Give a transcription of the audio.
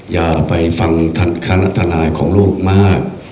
อย่าไปฟังคณะทนายของลูกมาก